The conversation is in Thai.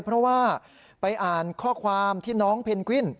เพราะว่าไปอ่านข้อความที่น้องเพนกวิน